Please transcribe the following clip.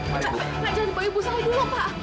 jangan pak ibu saya dulu pak